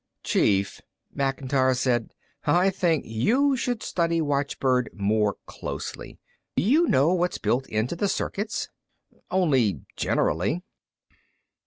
"Chief," Macintyre said, "I think you should study watchbird more closely. Do you know what's built into the circuits?" "Only generally."